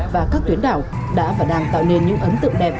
và các tuyến đảo đã và đang tạo nên những ấn tượng đẹp